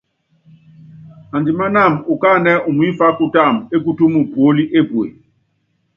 Andimánáma ukánɛ umimfá kutáma ékutúmu puóli epue.